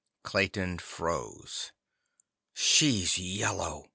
Clayton froze. _She's yellow!